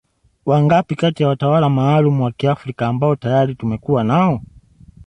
Wangapi kati ya watawala maalum wa Kiafrika ambao tayari tumekuwa nao